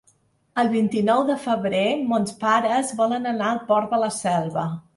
El vint-i-nou de febrer mons pares volen anar al Port de la Selva.